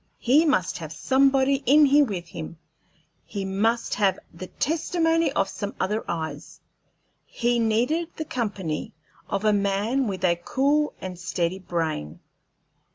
He must have somebody in here with him; he must have the testimony of some other eyes; he needed the company of a man with a cool and steady brain.